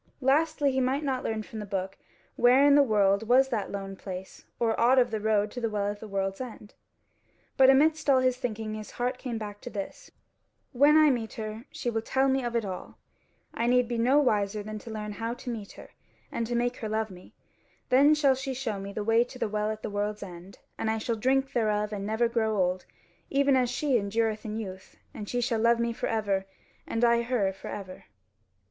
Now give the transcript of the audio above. Lastly, he might not learn from the book where in the world was that lone place, or aught of the road to the Well at the World's End. But amidst all his thinking his heart came back to this: "When I meet her, she will tell me of it all; I need be no wiser than to learn how to meet her and to make her love me; then shall she show me the way to the Well at the World's End, and I shall drink thereof and never grow old, even as she endureth in youth, and she shall love me for ever, and I her for ever."